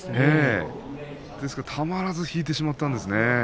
ですからたまらずに引いてしまったんですね。